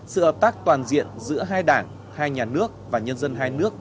sự hợp tác toàn diện giữa hai đảng hai nhà nước và nhân dân hai nước